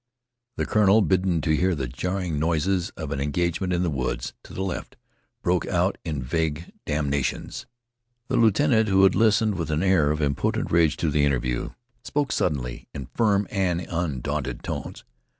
The colonel, bidden to hear the jarring noises of an engagement in the woods to the left, broke out in vague damnations. The lieutenant, who had listened with an air of impotent rage to the interview, spoke suddenly in firm and undaunted tones.